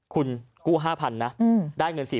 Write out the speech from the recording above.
คุณกู้๕๐๐๐นะได้เงิน๔๐๐